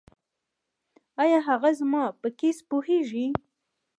ایا هغه زما په کیس پوهیږي؟